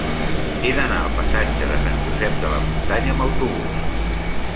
He d'anar al passatge de Sant Josep de la Muntanya amb autobús.